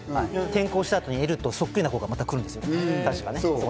転校したあとに、エルとそっくりな子がまた来るんですよね、確か。